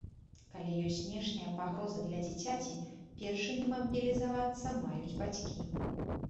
Калі ёсць знешняя пагроза для дзіцяці, першымі мабілізавацца маюць бацькі.